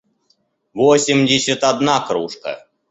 восемьдесят одна кружка